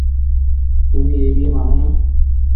তুমি এই বিয়ে মানো না?